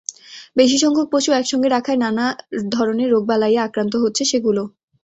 বেশি সংখ্যক পশু একসঙ্গে রাখায় নানা ধরনের রোগবালাইয়ে আক্রান্ত হচ্ছে সেগুলো।